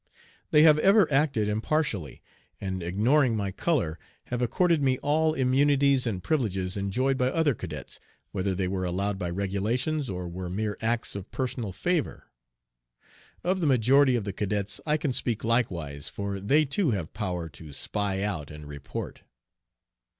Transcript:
They have ever acted impartially, and, ignoring my color, have accorded me all immunities and privileges enjoyed by other cadets, whether they were allowed by regulations or were mere acts of personal favor. Of the majority of the cadets I can speak likewise, for they too have power to spy out and report.